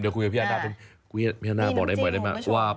เดี๋ยวชิมเดี๋ยวคุยกับพี่อาณา